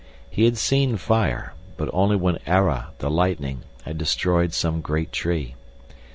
He had seen fire, but only when Ara, the lightning, had destroyed some great tree.